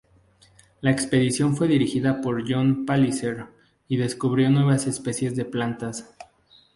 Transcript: La expedición fue dirigida por John Palliser y descubrió nuevas especies de plantas.